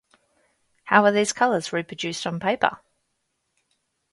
How are these colors reproduced on paper?